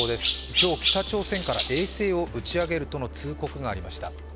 今日、北朝鮮から衛星を打ち上げるとの通告がありました。